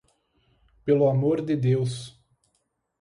Pelo amor de Deus!